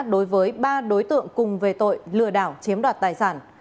đối với ba đối tượng cùng về tội lừa đảo chiếm đoạt tài sản